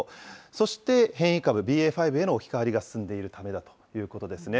そして変異株、ＢＡ．５への置き換わりが進んでいるためだということですね。